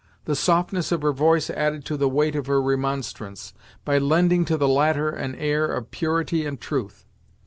The softness of her voice added to the weight of her remonstrance, by lending to the latter an air of purity and truth.